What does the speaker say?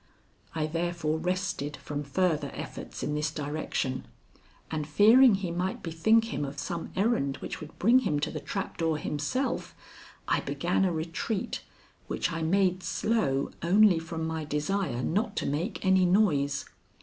I therefore rested from further efforts in this direction, and fearing he might bethink him of some errand which would bring him to the trap door himself, I began a retreat which I made slow only from my desire not to make any noise.